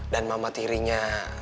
dan mama tirinya